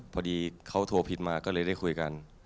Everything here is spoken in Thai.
พอดีเขาโทรผิดมาก็เลยได้คุยกัน